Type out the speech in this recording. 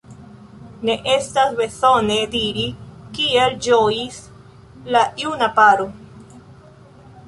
Ne estas bezone diri, kiel ĝojis la juna paro.